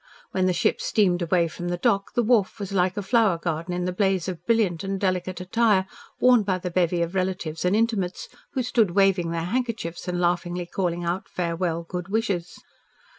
When the ship steamed away from the dock, the wharf was like a flower garden in the blaze of brilliant and delicate attire worn by the bevy of relatives and intimates who stood waving their handkerchiefs and laughingly calling out farewell good wishes.